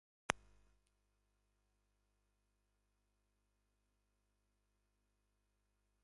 It is geographically located approximately midway between the Caspian Sea and the Aral Sea.